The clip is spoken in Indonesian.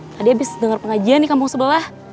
tadi abis dengar pengajian di kampung sebelah